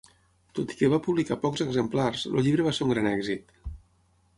Tot i que va publicar pocs exemplars, el llibre va ser un gran èxit.